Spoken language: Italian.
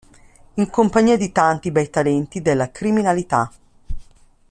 In compagnia di tanti bei talenti della criminalità.